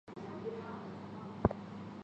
两人育有三个子女。